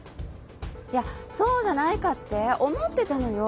いやそうじゃないかって思ってたのよ。